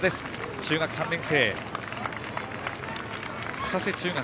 中学３年生。